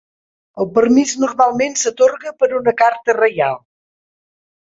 El permís normalment s'atorga per una carta reial.